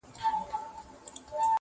هغه له پاڼو تشه توره ونه،